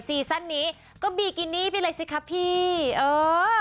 ซีซั่นนี้ก็บีกินี่ไปเลยสิครับพี่เออ